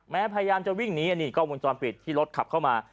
พยายามจะวิ่งหนีอันนี้กล้องวงจรปิดที่รถขับเข้ามา